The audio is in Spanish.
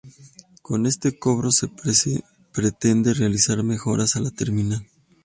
Con este cobro se pretende realizar mejoras a la terminal.